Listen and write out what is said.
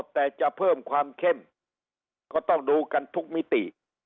แต่จะเพิ่มความเข้มก็ต้องดูกันทุกมิติ